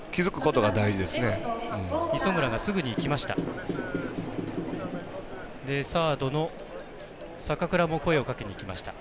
磯村がすぐにいきました。